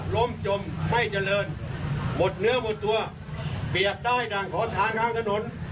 จมไม่เจริญหมดเนื้อหมดตัวเปรียบได้ดังขอทานข้างถนน